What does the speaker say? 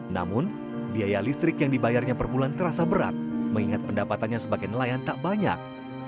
namun biaya listrik yang dibayarnya per bulan terasa berat mengingat pendapatannya sebagai nelayan tak banyak